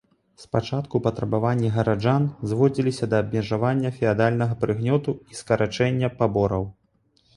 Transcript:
Спачатку патрабаванні гараджан зводзіліся да абмежавання феадальнага прыгнёту і скарачэння пабораў.